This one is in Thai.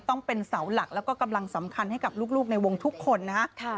ต้องเป็นเสาหลักแล้วก็กำลังสำคัญให้กับลูกในวงทุกคนนะฮะ